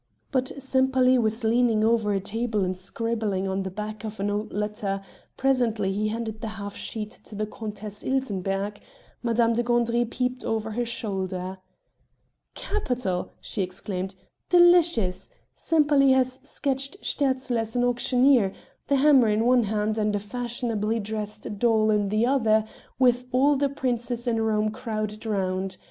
But Sempaly was leaning over a table and scribbling on the back of an old letter; presently he handed the half sheet to the Countess Ilsenbergh; Madame de Gandry peeped over her shoulder. "Capital!" she exclaimed, "delicious!" Sempaly had sketched Sterzl as an auctioneer, the hammer in one hand and a fashionably dressed doll in the other, with all the Princes in Rome crowded round.